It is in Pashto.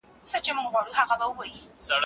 څرمن يې سپينه زړه يې تور دی